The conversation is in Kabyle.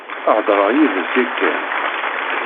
Heḍṛeɣ yid-s yakan.